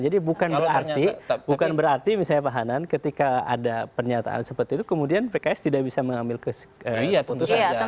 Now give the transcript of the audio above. jadi bukan berarti misalnya pak hanan ketika ada pernyataan seperti itu kemudian pks tidak bisa mengambil keputusan